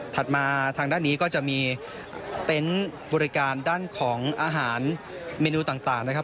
มาทางด้านนี้ก็จะมีเต็นต์บริการด้านของอาหารเมนูต่างนะครับ